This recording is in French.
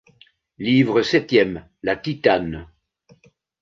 livre septième la titane.